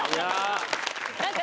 何か。